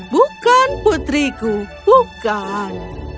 bukan putriku bukan